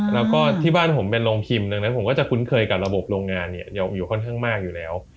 แล้วก็ที่บ้านผมเป็นโรงคิมดังนั้นผมก็จะคุ้นเคยกับระบบโรงงานอยู่ค่อนข้างมากอยู่แล้ว